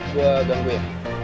gue ganggu ya